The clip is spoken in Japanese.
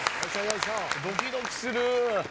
ドキドキする。